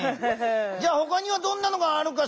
じゃほかにはどんなのがあるか？